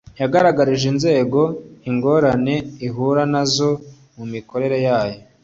Yagaragarije inzego ingorane ihura nazo mu mikorere yayo